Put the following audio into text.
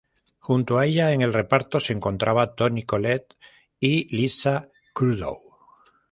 Junto a ella en el reparto se encontraban Toni Collette y Lisa Kudrow.